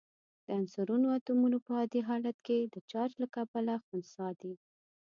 د عنصرونو اتومونه په عادي حالت کې د چارج له کبله خنثی دي.